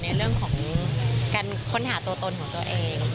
ในเรื่องของการค้นหาตัวตนของตัวเอง